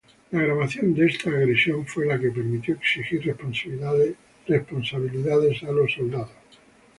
La grabación de esta agresión fue la que permitió exigir responsabilidades a los soldados.